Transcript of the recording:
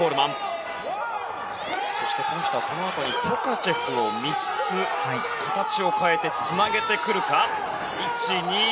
そしてトカチェフを３つ形を変えてつなげてくる。